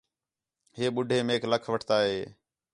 ہے ٻُڈّھے میک لَکھ وٹھتا ہے